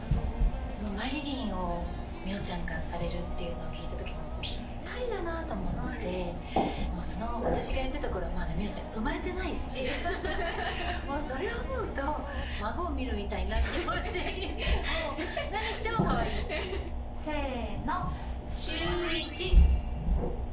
もう麻理鈴を美桜ちゃんがされるっていうのを聞いたときに、もうぴったりだなと思って、もう、私がやってたころは、まだ美桜ちゃん生まれてないし、もうそれを思うと、孫を見るみたいやいやいや。